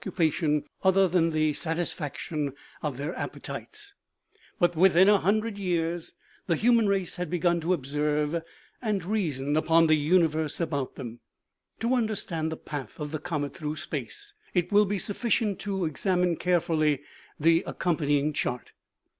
cupation than the satisfaction of their appetites ; but within a hundred years the human race had begun to observe and reason upon the universe about them. To understand the path of the comet through space, it will be sufficient to examine carefully the accompanying chart.